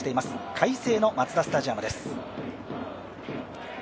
快晴のマツダスタジアムです。